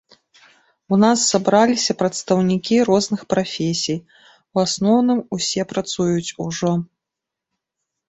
У нас сабраліся прадстаўнікі розных прафесій, у асноўным усе працуюць ужо.